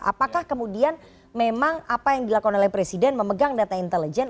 apakah kemudian memang apa yang dilakukan oleh presiden memegang data intelijen